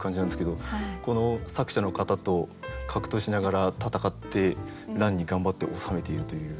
この作者の方と格闘しながら戦って欄に頑張っておさめているという。